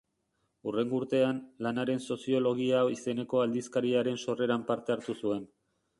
Hurrengo urtean, Lanaren Soziologia izeneko aldizkariaren sorreran parte hartu zuen.